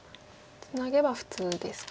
ツナげば普通ですか。